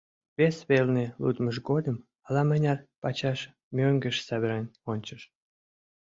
Вес велне лудмыж годым ала-мыняр пачаш мӧҥгеш савырен ончыш.